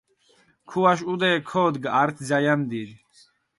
ქუაშ ჸუდე ქოდგჷ ართი ძალამ დიდი.